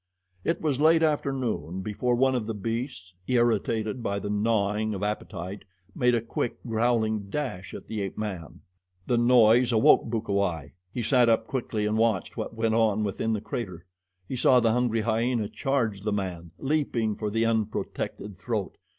It was late afternoon before one of the beasts, irritated by the gnawing of appetite, made a quick, growling dash at the ape man. The noise awoke Bukawai. He sat up quickly and watched what went on within the crater. He saw the hungry hyena charge the man, leaping for the unprotected throat.